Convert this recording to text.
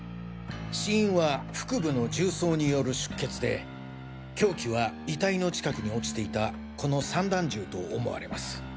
死因は腹部の銃創による出血で凶器は遺体の近くに落ちていたこの散弾銃と思われます。